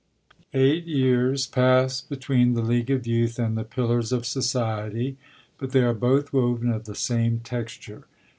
Eight years passed between The League of Youth and The Pillars of Society; but they are both woven of the same texture.